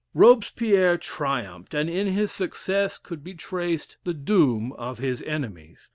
Robespierre triumphed; and in his success could be traced the doom of his enemies.